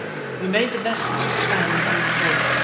We made the best stand we could.